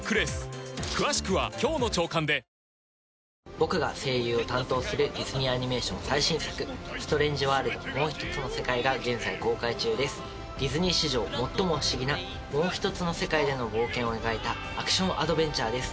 僕が声優を担当するディズニーアニメーション最新作が現在公開中ですディズニー史上最も不思議なもう一つの世界での冒険を描いたアクションアドベンチャーです